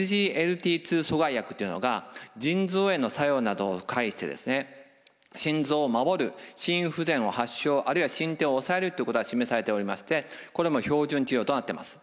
２阻害薬というのが腎臓への作用などを介して心臓を守る心不全を発症あるいは進展を抑えるということが示されておりましてこれも標準治療となってます。